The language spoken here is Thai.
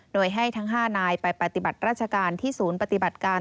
โดยให้ทั้ง๕นายไปปฏิบัติราชการที่ศูนย์ปฏิบัติการ